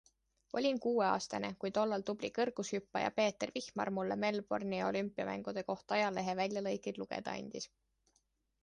Olin kuueaastane, kui tollal tubli kõrgushüppaja Peeter Vihmar mulle Melbourne'i olümpiamängude kohta ajaleheväljalõikeid lugeda andis.